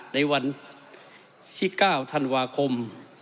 ในวันที่๙ธันวาคม